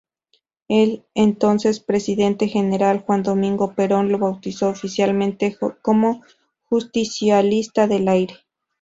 El entonces presidente, General Juan Domingo Perón lo bautizó oficialmente como ""Justicialista del Aire"".